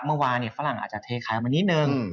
เมื่อวานเนี่ยฝรั่งอาจจะเทคล้ายมานิดนึง